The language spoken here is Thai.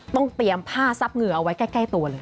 ต้องเตรียมผ้าซับเหงื่อเอาไว้ใกล้ตัวเลย